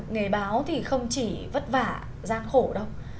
nghề báo thì không chỉ vất vả gian khổ đâu